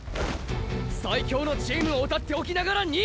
最強のチームをうたっておきながら２位！